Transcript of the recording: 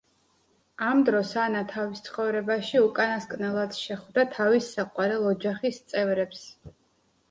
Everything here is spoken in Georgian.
ამ დროს ანა თავის ცხოვრებაში უკანასკნელად შეხვდა თავის საყვარელ ოჯახის წევრებს.